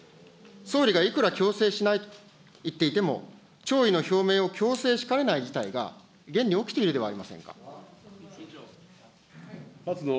総理がいくら強制しないと言っていても、弔意の表明を強制しかねない事態が現に起きているではありません松野